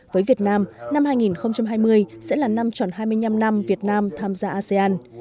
với việt nam năm hai nghìn hai mươi sẽ là năm tròn hai mươi năm năm việt nam tham gia asean